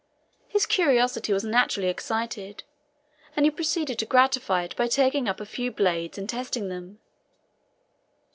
His curiosity was naturally excited, and he proceeded to gratify it by taking up a few blades and tasting them.